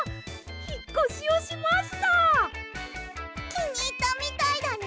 きにいったみたいだね。